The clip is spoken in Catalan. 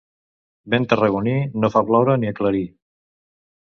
Vent tarragoní, no fa ploure ni aclarir.